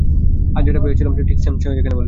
আর সেটা পেয়েওছিলাম, ঠিক স্যাম যেখানে বলেছিল।